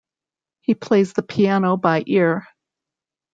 He plays the piano by ear.